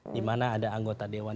di mana ada anggota dewan